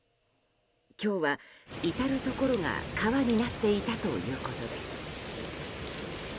今日は、至るところが川になっていたということです。